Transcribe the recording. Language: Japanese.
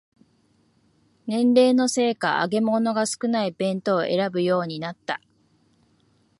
年齢のせいか揚げ物が少ない弁当を選ぶようになった